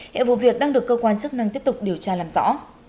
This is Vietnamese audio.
hệ vụ việc đang được cơ quan chức năng tiếp tục điều tra làm rõ